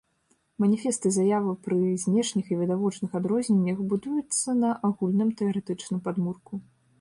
Маніфест і заява пры знешніх і відавочных адрозненнях, будуюцца на агульным тэарэтычным падмурку.